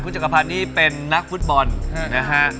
จักรพันธ์นี่เป็นนักฟุตบอลนะฮะ